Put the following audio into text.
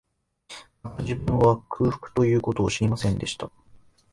また、自分は、空腹という事を知りませんでした